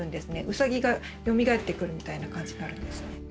ウサギがよみがえってくるみたいな感じになるんですね。